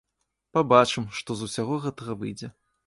Пабачым, што з усяго гэтага выйдзе.